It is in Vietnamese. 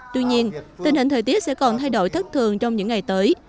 tuy nhiên tình hình thời tiết sẽ còn thay đổi thất thường trong những ngày tới